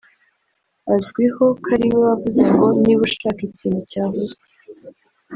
Azwiho ko ariwe wavuze ngo ‘niba ushaka ikintu cyavuzwe